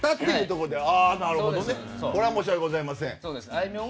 これは申し訳ございません。